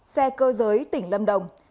xe cơ giới tỉnh lâm đồng